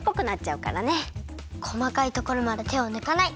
こまかいところまでてをぬかない！